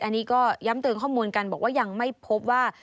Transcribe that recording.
อันนี้ก็ย้ำเตือนข้อมูลกันบอกว่ายังไม่พบว่า